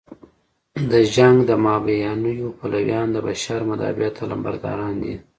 د جنګ د مهابیانیو پلویان د بشر مدافعت علمبرداران دي.